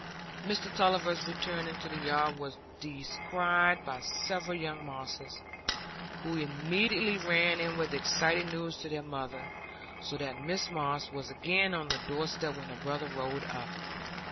Mr Tulliver's return into the yard was descried by several young Mosses, who immediately ran in with the exciting news to their mother, so that Mrs Moss was again on the door step when her brother rode up.